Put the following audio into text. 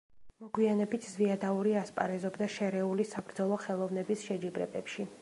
მოგვიანებით ზვიადაური ასპარეზობდა შერეული საბრძოლო ხელოვნების შეჯიბრებებში.